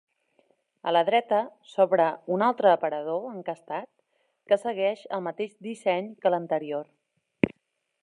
A la dreta s'obre un altre aparador encastat que segueix el mateix disseny que l'anterior.